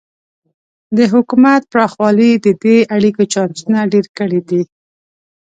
د حکومت پراخوالی د دې اړیکو چانسونه ډېر کړي دي.